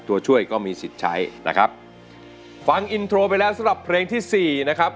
ตัวช่วยก็มีสิทธิ์ใช้นะครับฟังอินโทรไปแล้วสำหรับเพลงที่สี่นะครับ